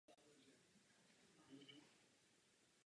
Rozprava je ukončena..